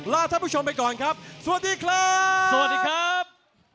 ลาท่านผู้ชมไปก่อนครับสวัสดีครับ